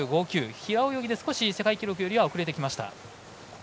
平泳ぎで少し、世界記録よりは遅れてきました。